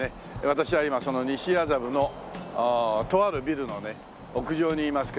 私は今その西麻布のとあるビルの屋上にいますけどもね。